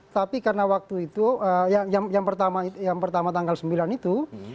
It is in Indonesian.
tapi karena waktu itu yang pertama tanggal sembilan itu